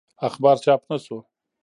اخبار چاپ نه شو.